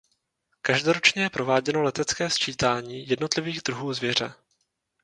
Každoročně je prováděno letecké sčítání jednotlivých druhů zvěře.